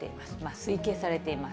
推計されています。